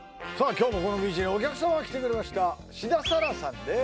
今日もこのビーチにお客様が来てくれました志田彩良さんです